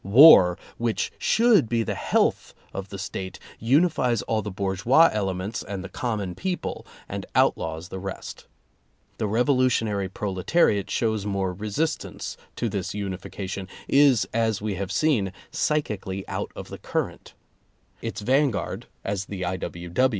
War, which should be the health of the State, unifies all the bourgeois elements and the common people, and outlaws the rest. The revolutionary proletariat shows more resistance to this unification, is, as we have seen, psychically out of the current. Its vanguard, as the I.